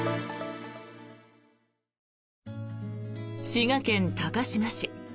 滋賀県高島市。